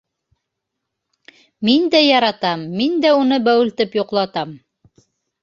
Мин дә яратам, мин дә уны бәүелтеп йоҡлатам.